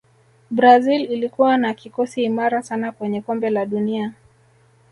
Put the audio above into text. brazil ilikuwa na kikosi imara sana kwenye kombe la dunia